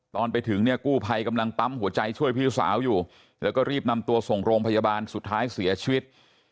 ตอนไปถึงเนี่ยกู้ภัยกำลังปั๊มหัวใจช่วยพี่สาวอยู่แล้วก็รีบนำตัวส่งโรงพยาบาลสุดท้ายเสียชีวิต